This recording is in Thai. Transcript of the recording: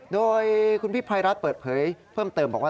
โดยคุณพี่ภัยรัฐเปิดเผยเพิ่มเติมบอกว่า